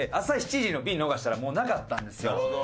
朝７時の便逃したらもうなかったんですよ。